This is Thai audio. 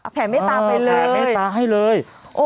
แผ่เมตตาเป็นเลยแผ่เมตตาให้เลย